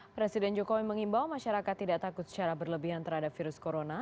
presiden jokowi mengimbau masyarakat tidak takut secara berlebihan terhadap virus corona